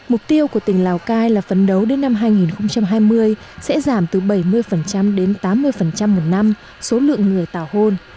mục tiêu của tỉnh lào cai là phấn đấu đến năm hai nghìn hai mươi sẽ giảm từ bảy mươi đến tám mươi một năm số lượng người tào hôn